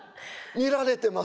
見られてます。